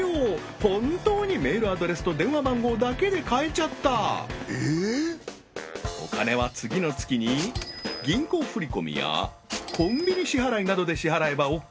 本当にメールアドレスと電話番号だけで買えちゃったお金は次の月に銀行振り込みやコンビニ支払いなどで支払えばＯＫ